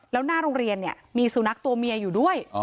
แล้วหน้าโรงเรียนเนี่ยมีสุนัขตัวเมียอยู่ด้วย